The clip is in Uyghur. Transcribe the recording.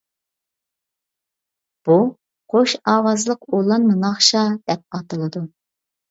بۇ «قوش ئاۋازلىق ئۇلانما ناخشا» دەپ ئاتىلىدۇ.